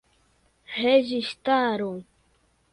registaro